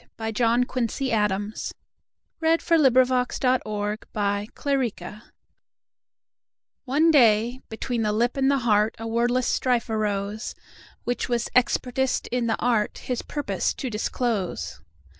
By John QuincyAdams 23 The Lip and the Heart ONE day between the Lip and the HeartA wordless strife arose, Which was expertest in the artHis purpose to disclose.